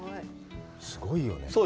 すごいよね！